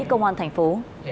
công an thành phố